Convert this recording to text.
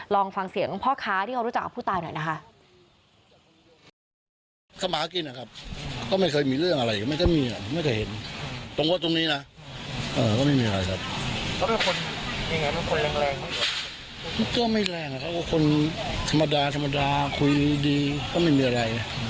ลองฟังเสียงพ่อค้าที่เขารู้จักกับผู้ตายหน่อยนะคะ